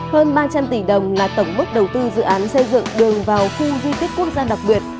hơn ba trăm linh tỷ đồng là tổng bức đầu tư dự án xây dựng đường vào khu di tích quốc gia đặc biệt